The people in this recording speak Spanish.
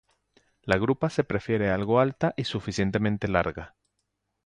La grupa se prefiere algo alta y suficientemente larga.